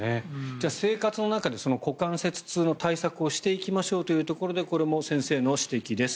じゃあ、生活の中でその股関節痛の対策をしていきましょうということでこれも先生の指摘です。